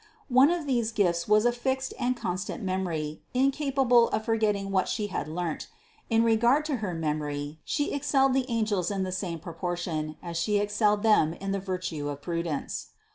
One of these gifts was a fixed and con stant memory, incapable of forgetting what She had learnt. In regard to her memory She excelled the angels in the same proportion as She excelled them in the virtue of prudence.